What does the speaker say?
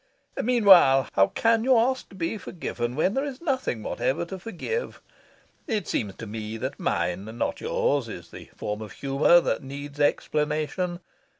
Meanwhile, how can you ask to be forgiven when there is nothing whatever to forgive? It seems to me that mine, not yours, is the form of humour that needs explanation.